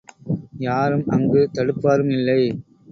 யாரும் அங்கு தடுப்பாரும் இல்லை.